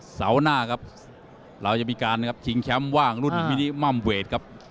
เสาหน้าครับเราจะมีการทิ้งแคมป์ว่างรุ่นมินิมัมเวทครับ